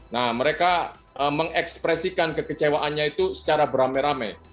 nah mereka mengekspresikan kekecewaannya itu secara berame rame